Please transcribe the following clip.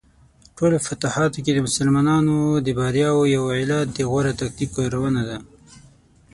ټولو فتوحاتو کې د مسلمانانو د بریاوو یو علت د غوره تکتیک کارونه وه.